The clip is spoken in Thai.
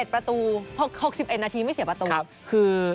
ประตู๖๑นาทีไม่เสียประตูคือ